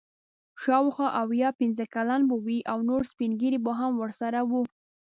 شاوخوا اویا پنځه کلن به وي او نور سپین ږیري هم ورسره وو.